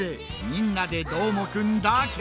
「みんなＤＥどーもくん！」だけ！